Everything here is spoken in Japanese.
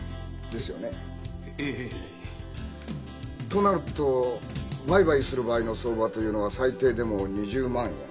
となると売買する場合の相場というのは最低でも２０万円。